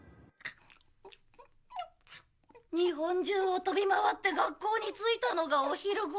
日本中を飛び回って学校に着いたのがお昼頃。